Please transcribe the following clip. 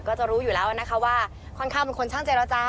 ก็จะรู้อยู่แล้วว่าคุณค่าเป็นคนช่างเจนแล้ว